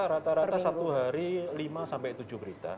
rata rata satu hari lima sampai tujuh berita